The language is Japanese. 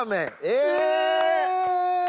え！